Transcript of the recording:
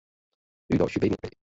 遇到续杯免费